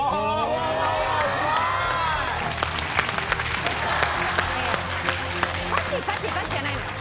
いやいやパチパチパチじゃないのよ。